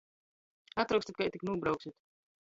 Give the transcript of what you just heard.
Atrokstit, kai tik nūbrauksit!